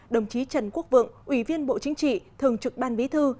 đồng chí trần quốc vượng ủy viên bộ chính trị thường trực ban bí thư